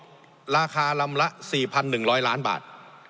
ราคาลำละ๔๑๐๐ล้านบาท